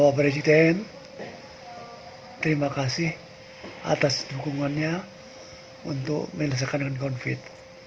bapak presiden terima kasih atas dukungannya untuk menyelesaikan covid sembilan belas